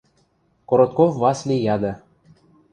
Коротков Васли яды.